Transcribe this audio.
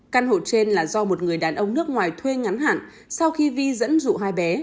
căn hộ trên là do một người đàn ông nước ngoài thuê ngắn hạn sau khi vi dẫn dụ hai bé